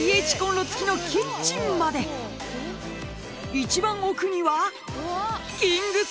［一番奥には］